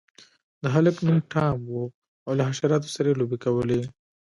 د هلک نوم ټام و او له حشراتو سره یې لوبې کولې.